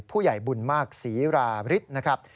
ผู้ใหญ่บุญมากศรีราฤทธิ์นะครับ